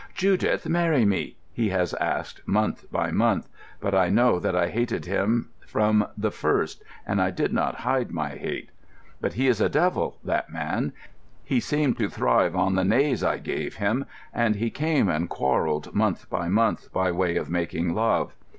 'Judith, marry me,' he has asked, month by month, but I know that I hated him from the first, and I did not hide my hate. But he is a devil, that man; he seemed to thrive on the 'Nays' I gave him, and he came and quarrelled month by month, by way of making love.